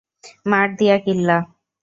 মার দিয়া কেল্লা।